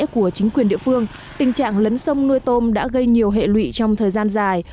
của chính quyền địa phương tình trạng lấn sông nuôi tôm đã gây nhiều hệ lụy trong thời gian dài